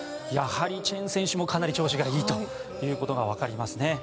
やはりチェン選手もかなり調子がいいということが分かりますね。